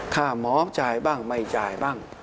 ถ้าหมอจ่ายบ้างไม่จ่ายบ้าง